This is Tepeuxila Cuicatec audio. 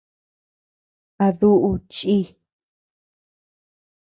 ¿A duʼu chíʼ?